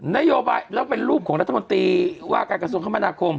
นโยบายแล้วเป็นรูปของรัฐมนตรีว่าการกระทรวงคมนาคม